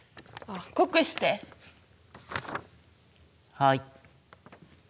はい。